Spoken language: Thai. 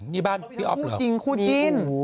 ที่บ้านพี่ออฟเหรอ